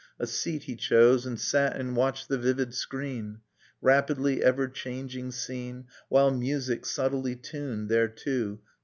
A seat he chose And sat and watched the vivid screen. Rapidly ever changing scene, While music, subtly tuned thereto.